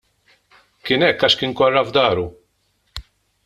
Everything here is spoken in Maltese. Kien hekk għax kien korra f'dahru.